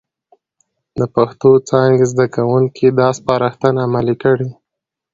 د پښتو څانګې زده کوونکي دا سپارښتنه عملي کړي،